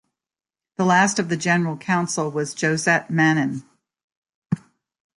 The last of the General Council was Josette Manin.